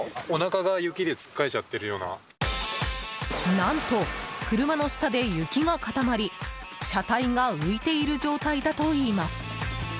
何と、車の下で雪が固まり車体が浮いている状態だといいます。